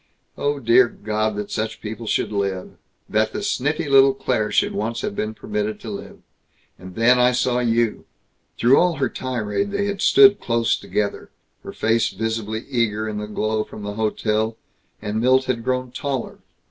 Oh, dear God, that such people should live ... that the sniffy little Claire should once have been permitted to live!... And then I saw you!" Through all her tirade they had stood close together, her face visibly eager in the glow from the hotel; and Milt had grown taller.